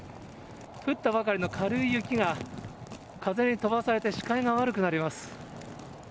降ったばかりの軽い雪が風に飛ばされて視界が悪くなります。